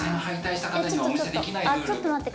ちょっと待って！